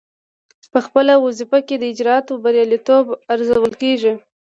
پخپله وظیفه کې د اجرااتو بریالیتوب ارزول کیږي.